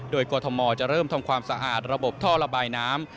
โดยกรทมจะเริ่มทำความสะอาดระบบท่อระบายน้ำ